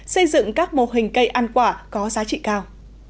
xây dựng các mô hình cây ăn quả có giá trị cao